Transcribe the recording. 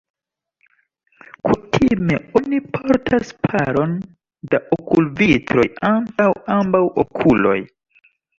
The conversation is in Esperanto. Kutime oni portas paron da okulvitroj antaŭ ambaŭ okuloj.